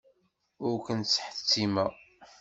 Ur ken-ttḥettimeɣ.